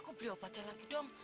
aku beli obatnya lagi dong